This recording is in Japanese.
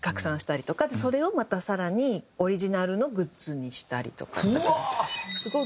それをまた更にオリジナルのグッズにしたりとか。